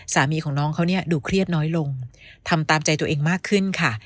สามีของน้องเขาเนี่ยดูเครียดน้อยลงทำตามใจตัวเองมากขึ้นค่ะ